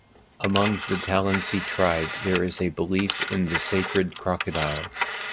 Among the Tallensi tribe there is a belief in the sacred crocodile.